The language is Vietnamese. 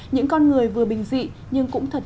những con người vừa bình dị nhưng cũng thật